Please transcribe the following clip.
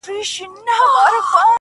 گراني په دې ياغي سيتار راته خبري کوه